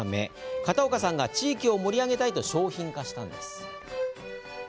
片岡さんが地域を盛り上げたいと商品化したんです。